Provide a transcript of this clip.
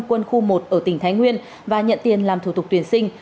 quân khu một ở tỉnh thái nguyên và nhận tiền làm thủ tục tuyển sinh